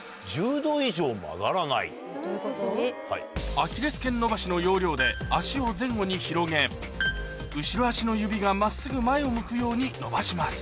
アキレス腱伸ばしの要領で足を前後に広げ後ろ足の指が真っすぐ前を向くように伸ばします